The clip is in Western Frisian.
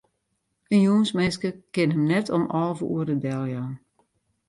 In jûnsminske kin him net om alve oere deljaan.